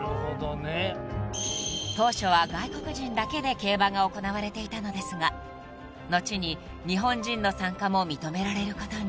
［当初は外国人だけで競馬が行われていたのですが後に日本人の参加も認められることに］